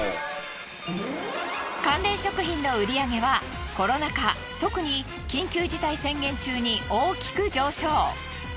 関連食品の売り上げはコロナ禍特に緊急事態宣言中に大きく上昇。